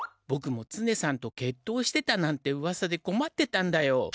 ぼくもツネさんと決とうしてたなんてうわさでこまってたんだよ。